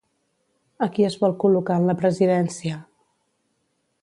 A qui es vol col·locar en la presidència?